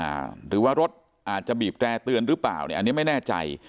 หรือว่ารถอาจจะบีบแร่เตือนหรือเปล่าเนี่ยอันนี้ไม่แน่ใจ